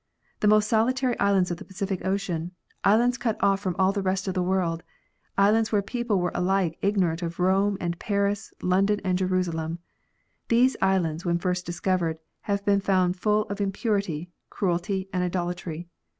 The most solitary islands of the Pacific Ocean, islands cut off from all the rest of the world, islands where people were alike ignorant of Eome and Paris, London and Jerusalem, these islands, when first discovered, have been found full of impurity, cruelty, and idolatry.